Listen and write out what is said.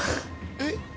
えっ？